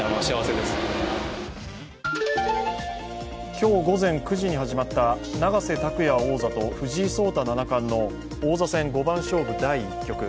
今日午前９時に始まった永瀬拓矢王座と藤井聡太七冠の王座戦五番勝負第１局。